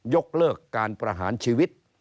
ยกเลิกการประหารชีวิต